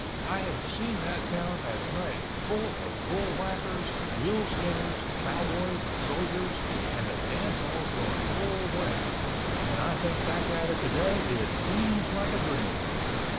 I have seen that town at night full of bull whackers, mule skinners, cowboys and soldiers, and the dance halls going full blast—when I think back at it today, it seems like a dream.